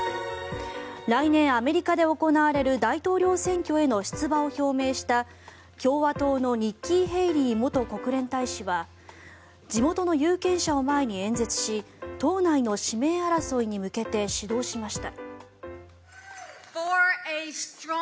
来年、アメリカで行われる大統領選挙への出馬を表明した、共和党のニッキー・ヘイリー元国連大使は地元の有権者を前に演説し党内の指名争いに向けて始動しました。